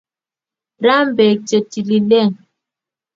ram beek che tililen